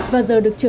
và giờ được trở về